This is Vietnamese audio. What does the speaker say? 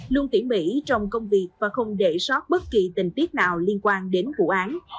luôn tỉ mỉ trong công việc và không để sót bất kỳ tình tiết nào liên quan đến vụ án